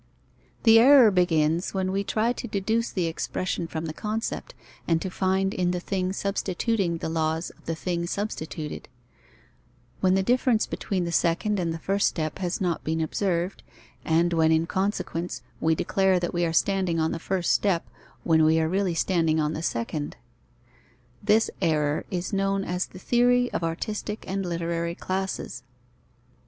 The error begins when we try to deduce the expression from the concept, and to find in the thing substituting the laws of the thing substituted; when the difference between the second and the first step has not been observed, and when, in consequence, we declare that we are standing on the first step, when we are really standing on the second. This error is known as the theory of artistic and literary classes.